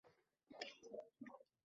তিনি জাতীয় সংসদের একজন হুইপ।